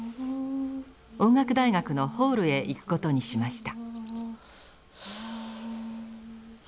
音楽大学のホールへ行くことにしました。